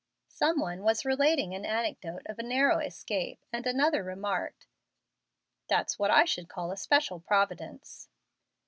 Some one was relating an anecdote of a narrow escape, and another remarked, "That's what I should call a special Providence."